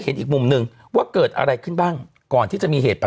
อีกมุมหนึ่งว่าเกิดอะไรขึ้นบ้างก่อนที่จะมีเหตุแบบ